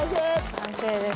完成です。